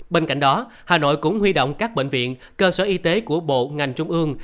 bên cạnh đó hà nội cũng huy động các bệnh viện cơ sở y tế của bộ ngành trung ương